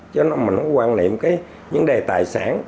chứ mình không quan niệm cái vấn đề tài sản